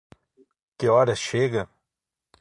Que horas chega?